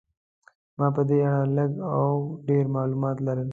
ما په دې اړه لږ او ډېر معلومات لرل.